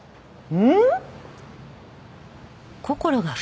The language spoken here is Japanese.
うん。